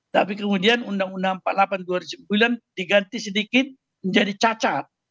tapi kemudian undang undang empat puluh delapan dua ribu sembilan diganti sedikit menjadi cacat